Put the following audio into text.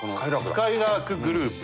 すかいらーくグループ。